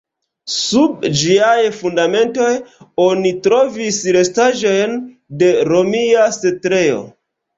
Sub ĝiaj fundamentoj oni trovis restaĵojn de romia setlejo.